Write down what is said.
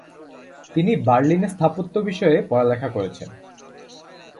তিনি বার্লিনে স্থাপত্য বিষয়ে পড়ালেখা করেছেন।